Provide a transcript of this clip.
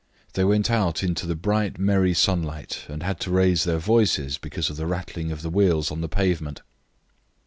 They went out into the bright, merry sunlight, and had to raise their voices because of the rattling of the wheels on the pavement.